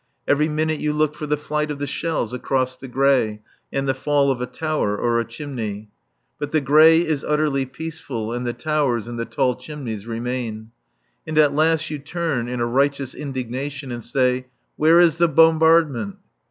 Every minute you look for the flight of the shells across the grey and the fall of a tower or a chimney. But the grey is utterly peaceful and the towers and the tall chimneys remain. And at last you turn in a righteous indignation and say: "Where is the bombardment?"